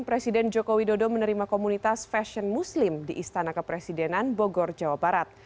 presiden joko widodo menerima komunitas fashion muslim di istana kepresidenan bogor jawa barat